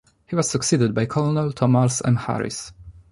He was succeeded by Colonel Thomas M. Harris.